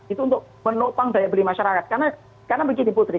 itu untuk menopang daya beli masyarakat karena begini putri